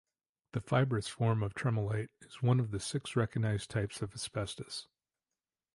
The fibrous form of tremolite is one of the six recognised types of asbestos.